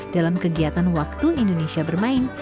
dalam kegiatan waktu indonesia bermain